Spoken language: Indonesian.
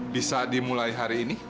bisa dimulai hari ini